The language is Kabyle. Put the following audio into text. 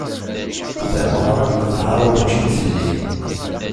Tameγra n lebḥeṛ urğin telli.